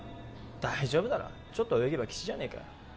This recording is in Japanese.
大丈夫だろちょっと泳げば岸じゃねえかよ